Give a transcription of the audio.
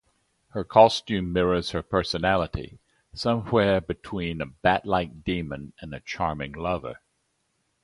Her costume mirrors her personality: somewhere between a batlike demon and a charming lover.